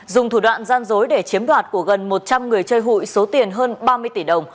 dùng thủ đoạn gian dối để chiếm đoạt của gần một trăm linh người chơi hụi số tiền hơn ba mươi tỷ đồng